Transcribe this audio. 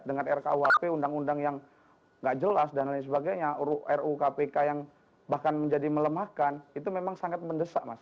dengan rkuhp undang undang yang nggak jelas dan lain sebagainya ru kpk yang bahkan menjadi melemahkan itu memang sangat mendesak mas